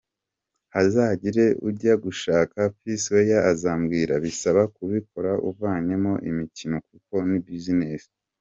Hazagire ujya gushaka P Square azambwira, bisaba kubikora uvanyemo imikino kuko ni business.